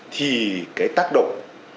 thì tác động